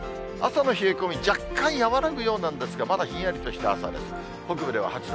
朝の冷え込み、若干、和らぐようなんですが、まだひんやりとした朝です。